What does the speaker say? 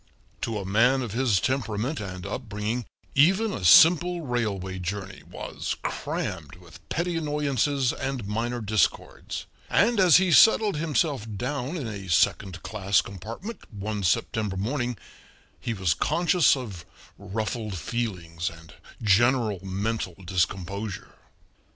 To a man of his temperament and upbringing even a simple railway journey was crammed with petty annoyances and minor discords, and as he settled himself down in a second class compartment one September morning he was conscious of ruffled feelings and general mental discomposure.